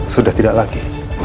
sudah tidak lagi